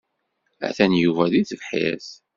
Atan Yuba deg tebḥirt.